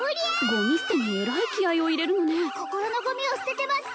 ゴミ捨てにえらい気合いを入れるのね心のゴミを捨ててます